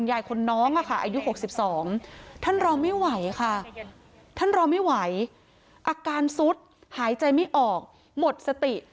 อายุ๖๒ท่านรอไม่ไหวอาการซุดหายใจไม่ออกหมดสติ